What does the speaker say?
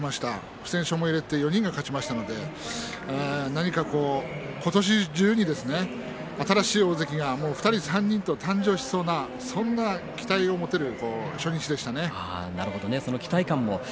不戦勝も入れて４人が勝ちましたので何か、今年中に新しい大関が２人３人と誕生しそうなそんな期待が持てる初日でしたね。